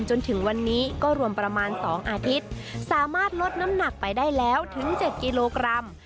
จนถึงวันนี้ก็รวมประมาณ๒อาทิตย์สามารถลดน้ำหนักไปได้แล้วถึง๗กิโลกรัม